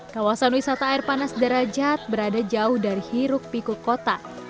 kawasan wisata air panas darajat berada jauh dari hiruk pikuk kota